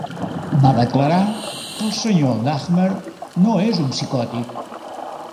Va declarar que el Sr. Dahmer no és un psicòtic.